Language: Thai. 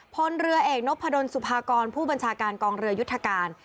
พลเรือเอกนพดลสุภากรผู้บัญชาการกองเรือยุทธการ